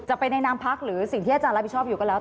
ไปในนามพักหรือสิ่งที่อาจารย์รับผิดชอบอยู่ก็แล้ว